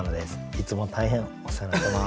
いつも大変お世話になってます。